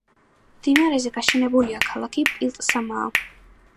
მდინარეზე გაშენებულია ქალაქი პილტსამაა.